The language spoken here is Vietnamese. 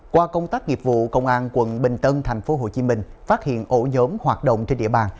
qua công tác nghiệp vụ công an quận bình tân tp hcm phát hiện ổ nhóm hoạt động trên địa bàn